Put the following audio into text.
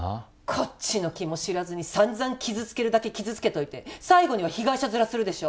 こっちの気も知らずに散々傷つけるだけ傷つけといて最後には被害者ヅラするでしょ？